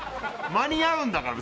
間に合うんだから！